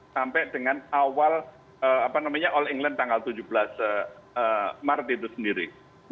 sampai dengan awal all england tanggal tujuh belas maret itu sendiri